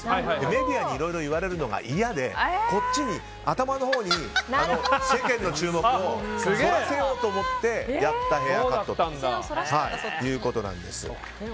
メディアにいろいろ言われるのが嫌で頭のほうに世間の注目をそらせようと思ってやったヘアカットだったということなんです。